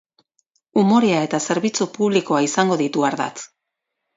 Umorea eta zerbitzu publikoa izango ditu ardatz.